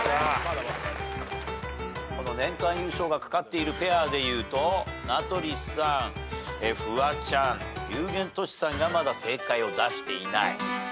年間優勝が懸かっているペアでいうと名取さんフワちゃん龍玄としさんがまだ正解を出していない。